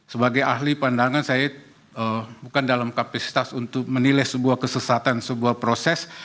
sebagai ahli pandangan saya bukan dalam kapasitas untuk menilai sebuah kesesatan sebuah proses